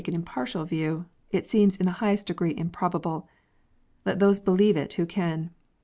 9 3 impartial view, it seems in the highest degree improbable. Let those believe it who can.